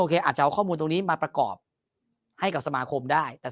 อาจจะเอาข้อมูลตรงนี้มาประกอบให้กับสมาคมได้แต่